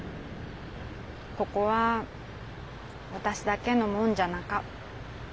ここはわたしだけのもんじゃなか。